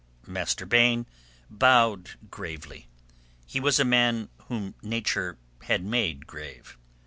Master Baine bowed gravely. He was a man whom Nature had made grave.